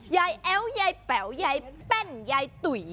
ยายแอ้วยายแป๋วยายแป้นยายตุ๋ย